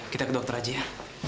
kita ke dokter aja